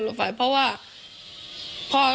ก็ตอบอะไรไม่ได้เหมือนกัน